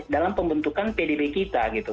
dalam pembentukan pdb kita gitu